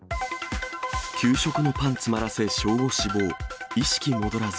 給食のパン詰まらせ小５死亡。